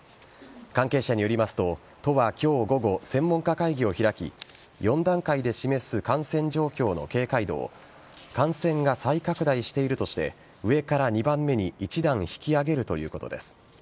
関係者によりますと都は今日午後専門家会議を開き４段階で示す感染状況の警戒度を感染が再拡大しているとして上から２番目に一段引き上げるということです。